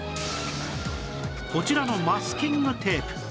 こちらのマスキングテープ